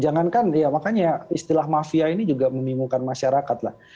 jangankan ya makanya istilah mafia ini juga membingungkan masyarakat lah